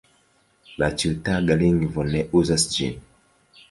La ĉiutaga lingvo ne uzas ĝin.